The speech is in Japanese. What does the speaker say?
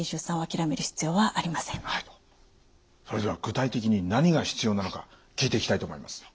それでは具体的に何が必要なのか聞いていきたいと思います。